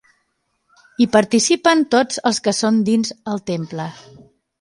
Hi participen tots els que són dins el temple.